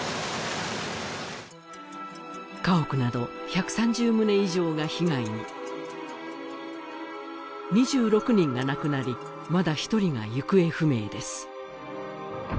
家屋など１３０棟以上が被害に２６人が亡くなりまだ１人が行方不明です